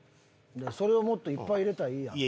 それをもっといっぱい入れたらいいやん。